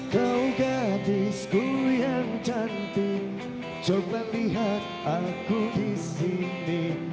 kau gadisku yang cantik coba lihat aku disini